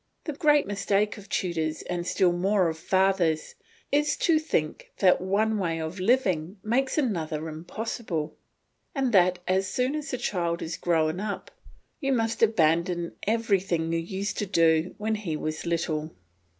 The great mistake of tutors and still more of fathers is to think that one way of living makes another impossible, and that as soon as the child is grown up, you must abandon everything you used to do when he was little.